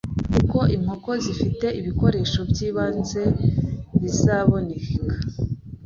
uko inkoko zifite ibikoresho by’ibanze bizaboneka